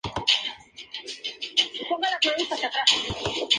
La función del museo ha sido esencialmente didáctica